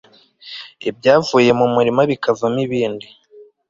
ibyavuye mu murima bikavamo ibindi